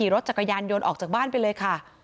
รถจักรยานยนต์ออกจากบ้านไปเลยค่ะ